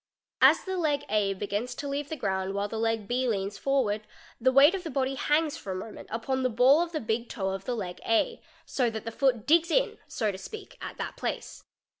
As the leg A begins to leave the ground while the leg B leans fc ward, the weight of the body hangs for 1 moment upon the ball of the big toe of he leg A, so that the foot digs in so to eak, at that place.